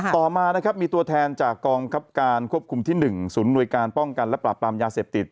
ต่อมานะครับมีตัวแทนจากกองคับการควบคุมที่๑ศูนย์หน่วยการป้องกันและปราบปรามยาเสพติด